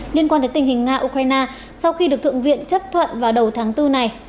liên quan tới tình hình nga ukraine sau khi được thượng viện chấp thuận vào đầu tháng bốn này